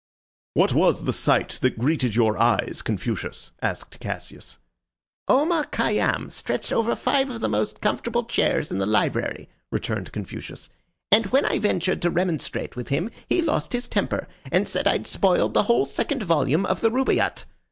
"What was the sight that greeted your eyes, Confucius?" asked Cassius. "Omar Khayyam stretched over five of the most comfortable chairs in the library," returned Confucius; "and when I ventured to remonstrate with him he lost his temper, and said I'd spoiled the whole second volume of the Rubaiyat.